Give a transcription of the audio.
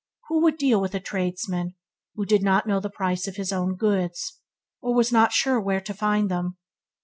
Who would deal with a tradesman who did not know the price of his own goods, or was not sure where to find them?